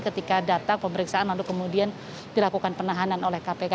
ketika datang pemeriksaan lalu kemudian dilakukan penahanan oleh kpk